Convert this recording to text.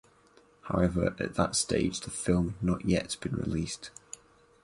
However at that stage the film had not yet been released.